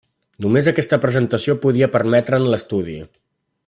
Només aquesta presentació podia permetre'n l'estudi.